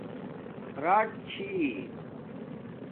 راچ چھی